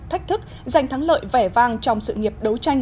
thách thức giành thắng lợi vẻ vang trong sự nghiệp đấu tranh